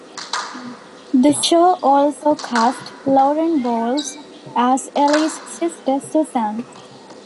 The show also cast Lauren Bowles as Ellie's sister Susan.